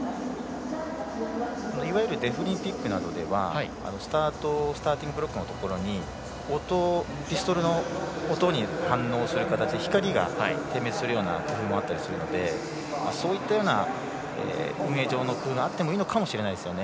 いわゆるデフリンピックなどではスターティングブロックのところにピストルの音に反応する形で光が点滅するようなこともあったりするのでそういったような運営上の工夫があってもいいのかもしれないですね。